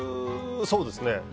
そうですね。